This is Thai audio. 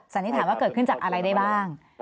สันนิษฐานว่าเกิดขึ้นจากอะไรได้บ้าง